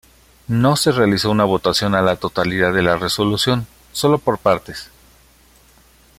No se realizó una votación a la totalidad de la resolución, sólo por partes.